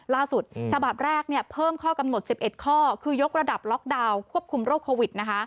ล่าสุดฉบับแรกเพิ่มข้อกำหนด๑๑ข้อคือยกระดับล็อกดาวน์ควบคุมโรคโควิดนะคะ